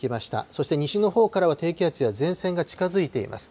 そして西のほうからは低気圧や前線が近づいています。